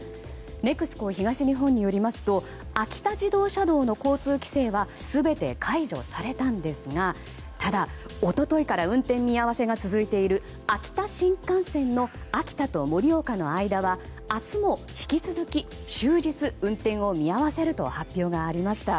ＮＥＸＣＯ東日本によりますと秋田自動車道の交通規制は全て解除されたんですがただ、一昨日から運転見合わせが続いている秋田新幹線の秋田と盛岡の間は明日も引き続き、終日運転を見合わせると発表がありました。